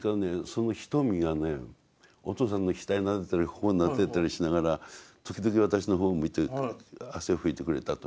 その瞳がねお父さんの額なでたり頬なでたりしながら時々私の方を向いて汗を拭いてくれたと。